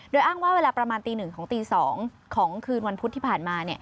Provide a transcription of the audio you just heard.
โดยอ้างว่าเวลาประมาณตี๑ของตี๒ของคืนวันพุธที่ผ่านมา